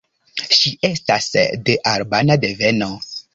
Ŝi estas de albana deveno.